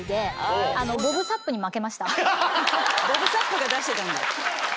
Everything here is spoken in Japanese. ボブ・サップが出してたんだ。